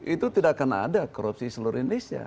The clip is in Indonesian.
itu tidak akan ada korupsi seluruh indonesia